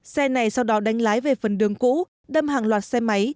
xe này sau đó đánh lái về phần đường cũ đâm hàng loạt xe máy